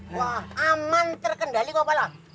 wah aman terkendali kok pak lurah